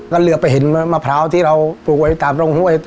ก็เหลือไปเห็นมะพร้าวที่เราปลูกไว้ตามโรงห้วย